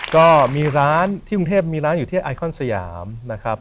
ก็มีร้านที่กรุงเทพมีร้านอยู่ที่ไอคอนสยามนะครับ